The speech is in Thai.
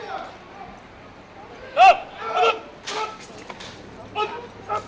อัศวินธรรมชาติธรรมชาติ